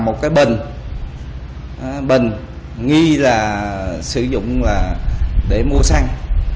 một cái bình bình nghi là sử dụng là để mua xăng